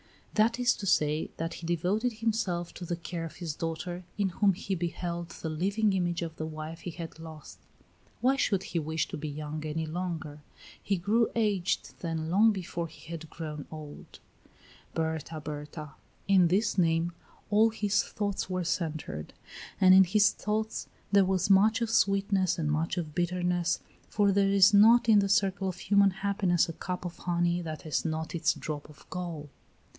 That is to say, that he devoted himself to the care of his daughter, in whom he beheld the living image of the wife he had lost. Why should he wish to be young any longer? He grew aged then long before he had grown old. Berta Berta. In this name all his thoughts were centred, and in his thoughts there was much of sweetness and much of bitterness, for there is not in the circle of human happiness a cup of honey that has not its drop of gall.